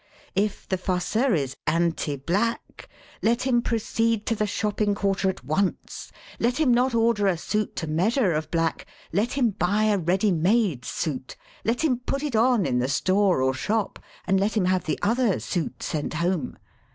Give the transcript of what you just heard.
If the fusser is anti black let him proceed to the shopping quarter at once. Let him not order a suit to measure of black. Let him buy a ready made suit. Let him put it on in the store or shop, and let him have the other suit sent home.